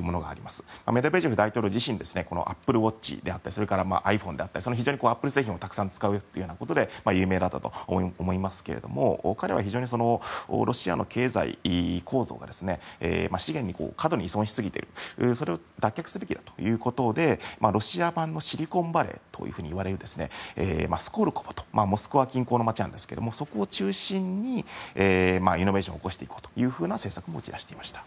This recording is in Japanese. メドベージェフ大統領自身アップルウォッチであったりｉＰｈｏｎｅであったりアップル製品をたくさん使うことで有名だったと思いますけど彼は非常にロシアの経済構造資源に過度に依存しすぎているそれを脱却すべきだということでロシア版のシリコンバレーといわれるスコルコボというモスクワ近郊の街なんですけどそこを中心にイノベーションを起こしていこうという政策も打ち出していました。